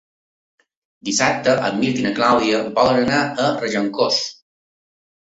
Dissabte en Mirt i na Clàudia volen anar a Regencós.